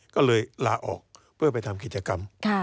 ก็เลยลาออกไปทำกิจกรรม